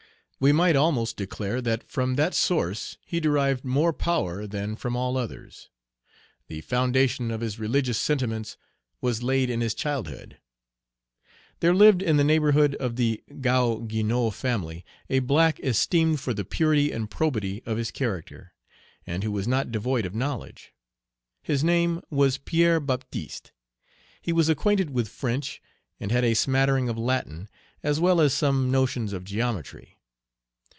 We might almost declare that from that source he derived more power than from all others. The foundation of his religious sentiments was laid in his childhood. There lived in the neighborhood of the Gaou Guinou family a black esteemed for the purity and probity of his character, and who was not devoid of knowledge. His name was Pierre Baptiste. He was acquainted with French, and had a smattering of Latin, as well as some notions of geometry.